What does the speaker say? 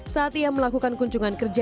saat ia melakukan kunjungan kerja